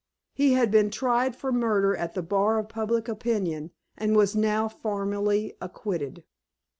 He had been tried for murder at the bar of public opinion, and was now formally acquitted.